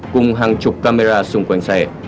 cùng hàng chục camera xung quanh xe